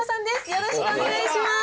よろしくお願いします。